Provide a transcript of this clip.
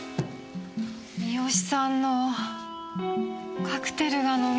三好さんのカクテルが飲みたい。